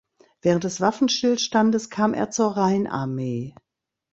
Während des Waffenstillstandes kam er zur Rheinarmee.